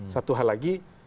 satu hal lagi